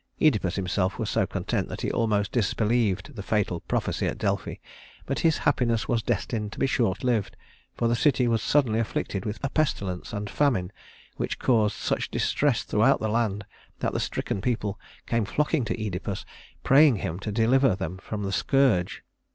Œdipus himself was so content that he almost disbelieved the fatal prophecy at Delphi; but his happiness was destined to be short lived, for the city was suddenly afflicted with a pestilence and famine which caused such distress throughout the land that the stricken people came flocking to Œdipus, praying him to deliver them from the scourge.